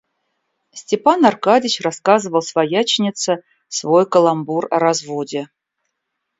Степан Аркадьич рассказывал свояченице свой каламбур о разводе.